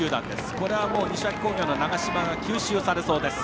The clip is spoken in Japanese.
これは、西脇工業の長嶋吸収されそうです。